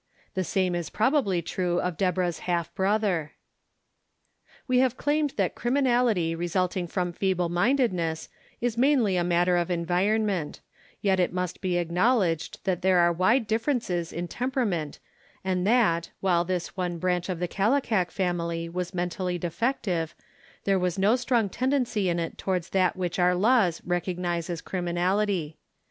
The same is probably true of Deborah's half brother. We have claimed that criminality resulting from feeble mindedness is mainly a matter of environment, yet it must be acknowledged that there are wide differ ences in temperament and that, while this one branch of the Kallikak family was mentally defective, there was no strong tendency in it towards that which our laws recognize as criminality.